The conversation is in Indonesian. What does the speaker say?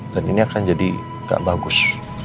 dan ini akan jadi gak bagus